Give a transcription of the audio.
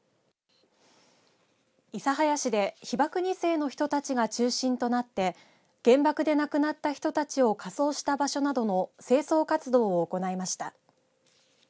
諫早市で被爆２世の人たちが中心となって原爆で亡くなった人たちを火葬した場所などの清掃活動を行いました。